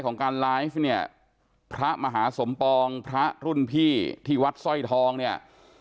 ของการไลฟ์เนี่ยพระมหาสมปองพระรุ่นพี่ที่วัดสร้อยทองเนี่ย